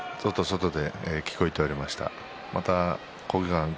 外で聞こえていました。